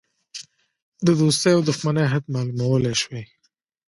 د دوستی او دوښمنی حد معلومولی شوای.